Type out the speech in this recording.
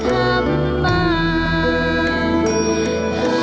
จะไม่สินโปรดธรรมา